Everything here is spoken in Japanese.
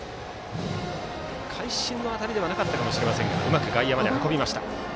会心の当たりではなかったかもしれませんがうまく外野まで運びました。